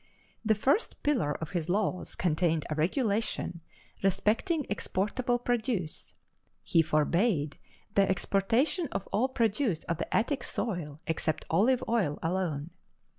The first pillar of his laws contained a regulation respecting exportable produce. He forbade the exportation of all produce of the Attic soil, except olive oil alone.